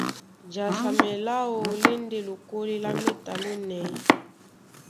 Jasamɛ láō lá e ndé lokólí lá méta lónɛ̌y.